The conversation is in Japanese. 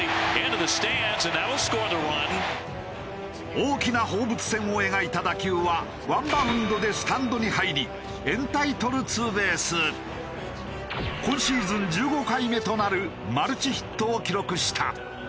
大きな放物線を描いた打球はワンバウンドでスタンドに入り今シーズン１５回目となるマルチヒットを記録した。